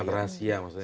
sangat rahasia maksudnya